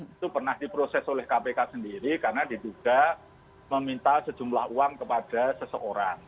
itu pernah diproses oleh kpk sendiri karena diduga meminta sejumlah uang kepada seseorang